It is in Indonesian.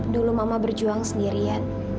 dulu mama berjuang sendirian